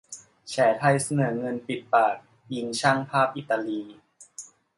แฉไทยเสนอเงิน ปิดปาก! ยิงช่างภาพอิตาลี